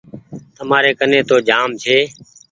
تمآري ڪني تو جآم ڇي۔